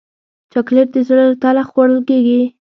چاکلېټ د زړه له تله خوړل کېږي.